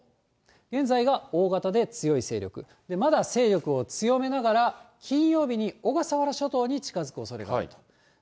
現在が大型で強い勢力、まだ勢力を強めながら、金曜日に小笠原諸島に近づくおそれがあると。